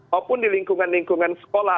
maupun di lingkungan lingkungan sekolah